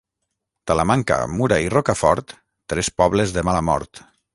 Talamanca, Mura i Rocafort, tres pobles de mala mort.